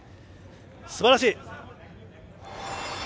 すばらしい！